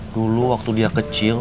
dulu waktu dia kecil